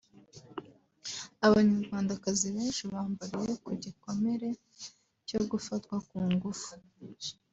Abanyarwandakazi benshi bambariye ku gikomere cyo gufatwa ku ngufu